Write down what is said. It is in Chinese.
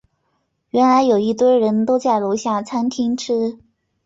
原来有一堆人都在楼下餐厅吃